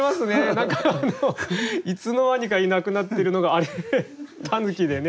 何かいつの間にかいなくなってるのがあれ狸でね。